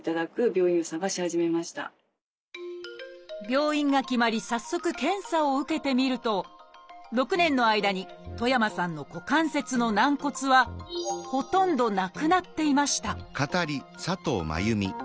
病院が決まり早速検査を受けてみると６年の間に戸山さんの股関節の軟骨はほとんどなくなっていました